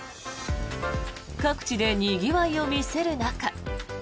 各地でにぎわいを見せる中。